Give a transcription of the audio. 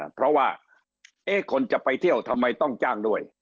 เพราะว่าคนจะไปเที่ยวทำไมต้องจ้างด้วย